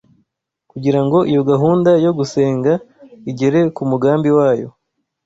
Kugira ngo iyo gahunda yo gusenga igere ku mugambi wayo